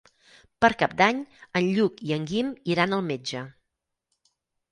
Per Cap d'Any en Lluc i en Guim iran al metge.